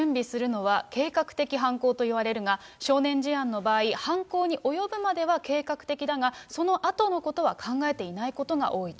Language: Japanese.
この事件について、一般的に凶器を準備するのは計画的犯行といわれるが、少年事案の場合、犯行に及ぶまでは計画的だが、そのあとのことは考えていないことが多いと。